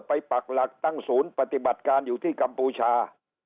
ปักหลักตั้งศูนย์ปฏิบัติการอยู่ที่กัมพูชา